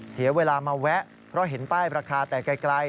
เสียเวลามาแวะเพราะเห็นป้ายราคาแต่ไกล